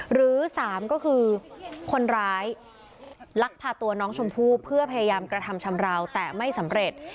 หรือ๓ก็คือคนร้ายลักพาตัวน้องชมพู่เพื่อพยายามกระทำชำราวแต่ไม่สำเร็จ